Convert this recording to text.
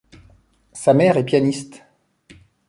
Sa mère est pianiste.